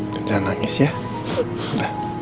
jangan nangis ya udah